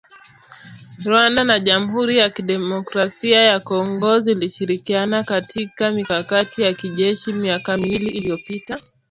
Rwanda na Jamhuri ya Demokrasia ya Kongo zilishirikiana katika mikakati ya kijeshi miaka miwili iliyopita